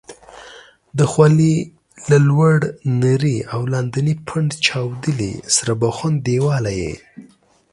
د خولې له لوړ نري او لاندني پنډ چاودلي سره بخن دېواله یې